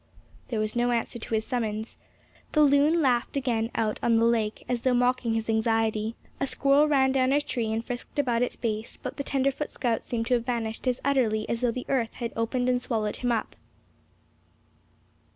There was no answer to his summons. The loon laughed again out on the lake, as though mocking his anxiety; a squirrel ran down a tree, and frisked about its base; but the tenderfoot scout seemed to have vanished as utterly as though the earth had opened and swallowed him up.